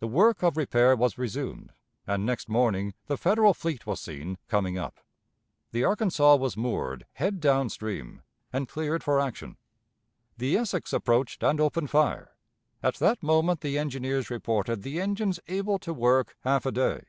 The work of repair was resumed, and next morning the Federal fleet was seen coming up. The Arkansas was moored head down stream and cleared for action. The Essex approached and opened fire; at that moment the engineers reported the engines able to work half a day.